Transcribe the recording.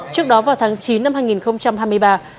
trước đó vào tháng chín năm hai nghìn hai mươi ba